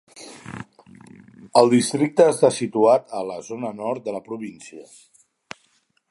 El districte està situat a la zona nord de la província.